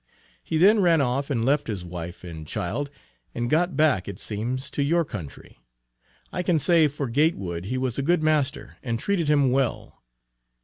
He then ran off and left his wife and child and got back, it seems, to your country. I can say for Gatewood he was a good master, and treated him well.